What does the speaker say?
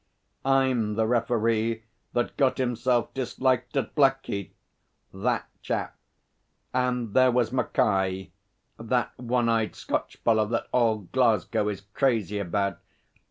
"I'm the Referee that got himself disliked at Blackheath." That chap! And there was Mackaye that one eyed Scotch fellow that all Glasgow is crazy about.